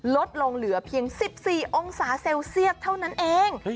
ลดลงเหลือเพียง๑๔องศาเซลเซียสเท่านั้นเอง